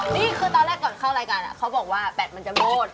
นี่คือตอนแรกก่อนเข้ารายการเขาบอกว่าแปดมันจะโบด